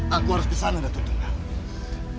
aku harus ke sana dato tunggal